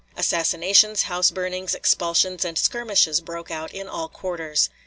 Assassinations, house burnings, expulsions, and skirmishes broke out in all quarters.